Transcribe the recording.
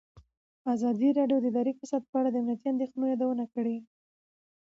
ازادي راډیو د اداري فساد په اړه د امنیتي اندېښنو یادونه کړې.